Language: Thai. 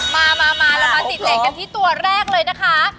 มามาเรามาติดเหล็กกันที่ตัวแรกเลยนะคะ